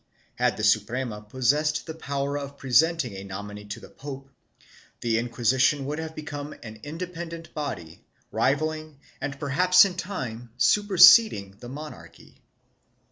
Had the Suprema possessed the power of presenting a nominee to the pope, the Inquisition would have become an independent body rivalling and perhaps in time superseding the monarchy.